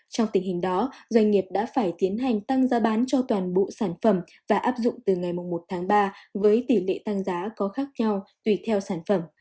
trong tình hình đó doanh nghiệp đã phải tiến hành tăng giá bán cho toàn bộ sản phẩm và áp dụng từ ngày một tháng ba với tỷ lệ tăng giá có khác nhau tùy theo sản phẩm